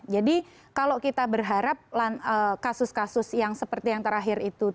jadi kalau kita berharap kasus kasus yang seperti yang terakhir itu tidak terlalu banyak